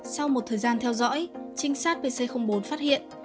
sau một thời gian theo dõi trinh sát pc bốn phát hiện